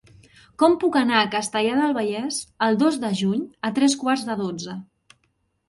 Com puc anar a Castellar del Vallès el dos de juny a tres quarts de dotze?